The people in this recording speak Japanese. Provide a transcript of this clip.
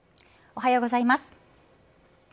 おはようございます。